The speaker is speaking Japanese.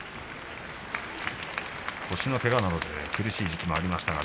腰のけがなどで苦しい時期がありました